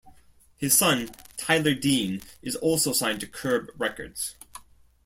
His son, Tyler Dean, is also signed to Curb Records.